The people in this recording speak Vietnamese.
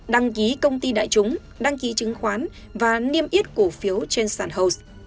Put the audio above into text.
đăng ký công ty đại chúng đăng ký chứng khoán và niêm yết cổ phiếu trên sản hồ